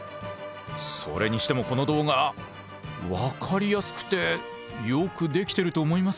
それにしてもこの動画分かりやすくてよくできてると思いません？